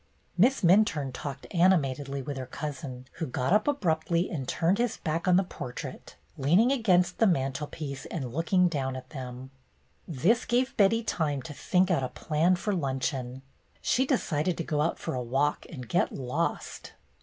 Miss Minturne talked animatedly with her cousin, who got up abruptly and turned his back on the portrait, leaning against the mantlepiece and looking down at them. This gave Betty time to think out a plan for luncheon. She decided to go out for a walk and get lost.